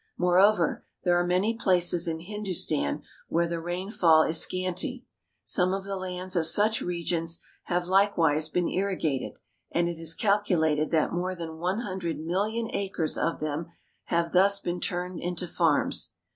Moreover, there are many places in Hindustan where the rainfall is scanty. Some of the lands of such regions have likewise been irrigated, and it is calculated that more than one hundred million acres of them have thus been turned into farms.